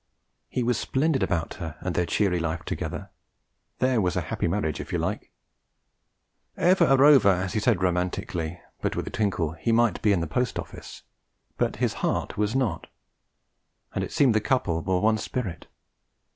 He was splendid about her and their cheery life together; there was a happy marriage, if you like! 'Ever a rover,' as he said romantically (but with the twinkle), he might be in a post office, but his heart was not; and it seemed the couple were one spirit.